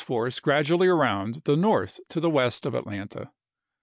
force gradually around the north to the west of Atlanta.